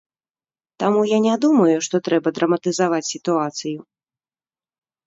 Таму я не думаю, што трэба драматызаваць сітуацыю.